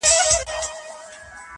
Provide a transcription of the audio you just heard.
سلطنت وو په ځنګلو کي د زمریانو-